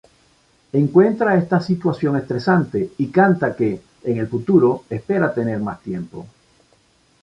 Encuentra esta situación estresante y canta que, en el futuro, espera tener más tiempo.